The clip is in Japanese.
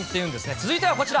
続いてはこちら。